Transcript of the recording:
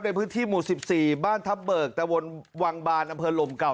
ในพื้นที่หมู่๑๔บ้านทัพเบิกตะวนวังบานอำเภอลมเก่า